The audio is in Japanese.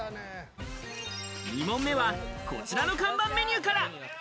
２問目はこちらの看板メニューから。